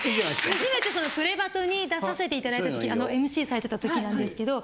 初めて『プレバト！！』に出させていただいた時ＭＣされてた時なんですけど。